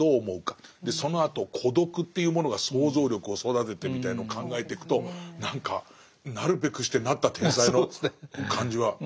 そのあと孤独っていうものが想像力を育ててみたいのを考えていくと何かなるべくしてなった天才の感じは。